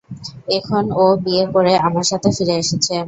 এখন ও বিয়ে করে আমার সাথে ফিরে এসেছে।